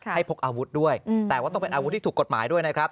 พกอาวุธด้วยแต่ว่าต้องเป็นอาวุธที่ถูกกฎหมายด้วยนะครับ